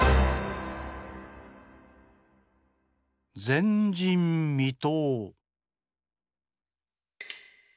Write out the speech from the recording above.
前人未到。